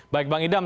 baik bang edam